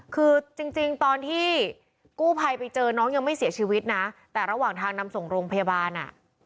คือจริงตอนที่กู้ภัยไปเจอน้องยังไม่เสียชีวิตนะแต่ระหว่างทางนำส่งโรงพยาบาลอ่ะ